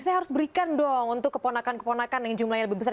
saya harus berikan dong untuk keponakan keponakan yang jumlahnya lebih besar